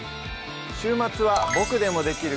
週末は「ボクでもできる！